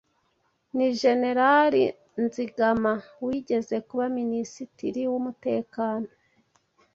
ni Generale Nzigama wigeze kuba Minisitiri w’Umutekano